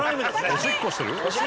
おしっこしてる？